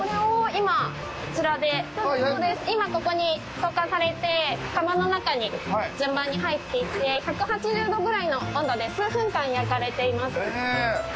今こちらで乾かされて窯の中に順番に入っていって１８０度ぐらいの温度で数分間焼かれています。